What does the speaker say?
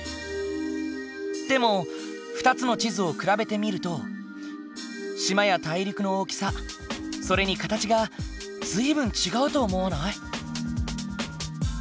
でも２つの地図を比べてみると島や大陸の大きさそれに形が随分違うと思わない？